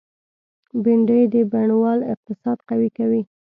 بېنډۍ د بڼوال اقتصاد قوي کوي